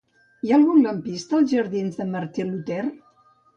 Hi ha algun lampista als jardins de Martí Luter?